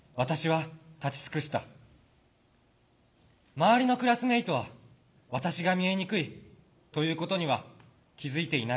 周りのクラスメートは私が見えにくいということには気付いていない。